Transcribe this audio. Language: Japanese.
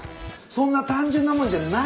そんな単純なもんじゃないって。